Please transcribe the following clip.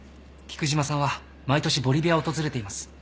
菊島さんは毎年ボリビアを訪れています。